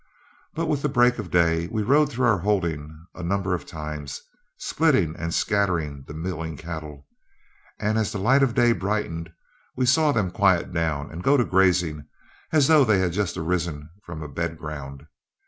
But with the break of day we rode through our holding a number of times, splitting and scattering the milling cattle, and as the light of day brightened, we saw them quiet down and go to grazing as though they had just arisen from the bed ground.